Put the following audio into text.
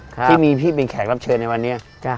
ที่มีพี่เป็นแขกรับเชิญในวันนี้